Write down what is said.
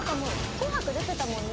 『紅白』出てたもんね